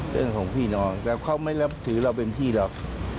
เรื่องของพี่น้องแต่เขาไม่นับถือเราเป็นพี่หรอก